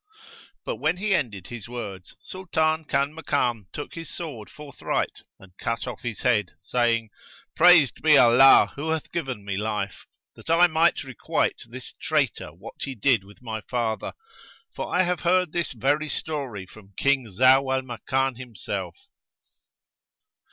But when he ended his words, Sultan Kanmakan took his sword forthright and cut off his head, saying, "Praised be Allah who hath given me life, that I might requite this traitor what he did with my father, for I have heard this very story from King Zau al Makan himself."